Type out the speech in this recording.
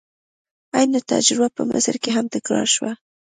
عین تجربه په مصر کې هم تکرار شوه.